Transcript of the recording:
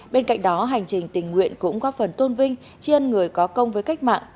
bên cạnh đó hành trình tình nguyện cũng góp phần tôn vinh chi ơn người có công với cách mạng